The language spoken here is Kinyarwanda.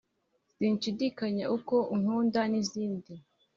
Sinshidikanya uko unkunda n'izindi